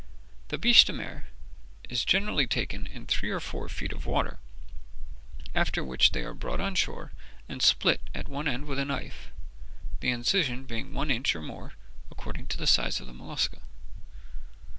"The biche de mer is generally taken in three or four feet of water; after which they are brought on shore, and split at one end with a knife, the incision being one inch or more, according to the size of the mollusca.